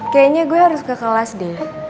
kayaknya gue harus ke kelas deh